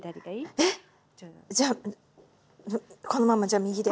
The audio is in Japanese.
えっじゃあこのままじゃあ右で。